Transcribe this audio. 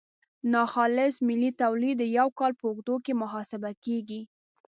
ناخالص ملي تولید د یو کال په اوږدو کې محاسبه کیږي.